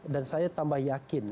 dan saya tambah yakin